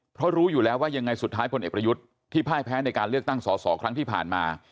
เพราะรู้อยู่แล้วว่ายังไงสุดท้ายพลเอกประยุทธ์ที่พ่ายแพ้ในการเลือกตั้งสอสอครั้งที่ผ่านมา